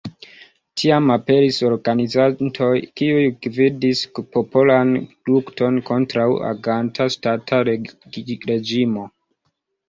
Tiam aperis organizantoj kiuj gvidis popolan lukton kontraŭ aganta ŝtata reĝimo.